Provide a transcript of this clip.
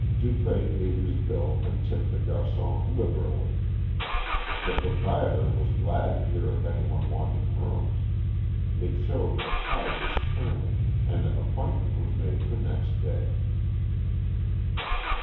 Dupré paid his bill and tipped the garçon liberally. The proprietor was glad to hear of any one wanting rooms. It showed the tide was turning, and an appointment was made for next day.